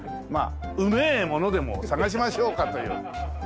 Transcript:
うめえものでも探しましょうかという。